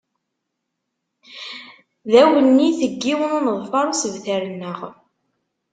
D awennit n yiwen uneḍfar usebter-nneɣ.